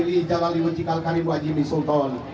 li jalani mencikalkan ibu hajimi sultan